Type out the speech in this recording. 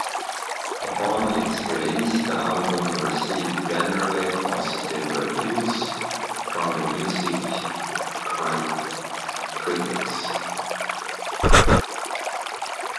Upon its release, the album received generally positive reviews from music critics.